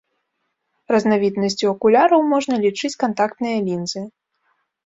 Разнавіднасцю акуляраў можна лічыць кантактныя лінзы.